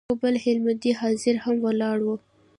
يو بل هلمندی حاجي هم ولاړ و.